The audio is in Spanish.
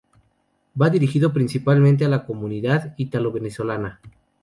Va dirigido principalmente a la comunidad ítalo-venezolana.